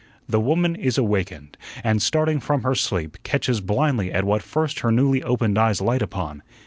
The Woman is awakened, and, starting from her sleep, catches blindly at what first her newly opened eyes light upon.